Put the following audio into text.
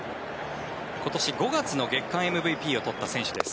今年５月の月間ＭＶＰを取った選手です。